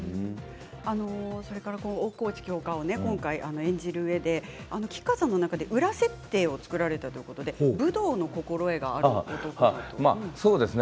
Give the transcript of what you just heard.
それから大河内教官を今回演じるうえで吉川さんの中で、裏設定を作られたということでそうですね。